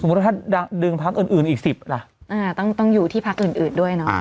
สมมุติว่าถ้าดังดึงพักอื่นอื่นอีกสิบล่ะอ่าต้องต้องอยู่ที่พักอื่นอื่นด้วยเนอะอ่า